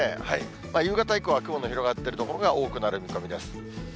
夕方以降は雲の広がってる所が多くなる見込みです。